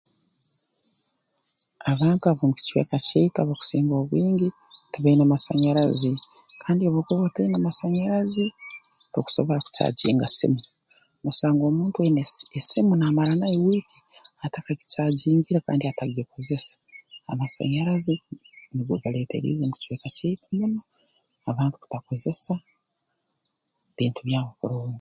Abantu ab'omukicweka kyaitu abakusinga obwingi tibaine masanyarazi kandi obu bakuba bataine masanyarazi tokusobora kucajinga simu noosanga omuntu aine esimu naamara nayo wiiki atakagicaajingire kandi atakugikozesa amasanyarazi nugo galeeteriize mu kicweka kyaitu muno abantu kutakozesa bintu byabo kurungi